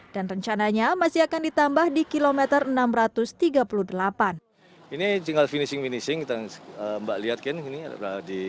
dan rencananya masih akan ditambah di kilometer enam ratus tiga puluh delapan